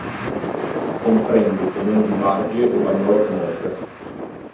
Comprende i comuni di Barge e Bagnolo Piemonte.